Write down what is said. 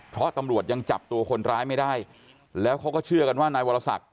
เพราะตำรวจยังจับตัวคนร้ายไม่ได้แล้วเขาก็เชื่อกันว่านายวรศักดิ